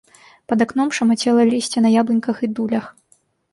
Пад акном шамацела лісце на яблыньках і дулях.